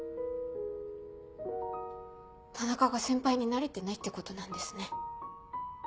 田中が先輩になれてないってことなんですね。